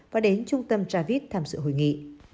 và đến trung tâm travis tham dự hội nghị